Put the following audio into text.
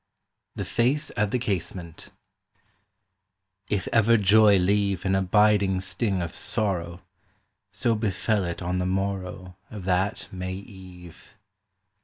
THE FACE AT THE CASEMENT IF ever joy leave An abiding sting of sorrow, So befell it on the morrow Of that May eve